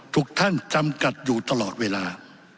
ทุกท่านจำกัดอยู่ตลอดเวลา